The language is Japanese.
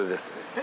え？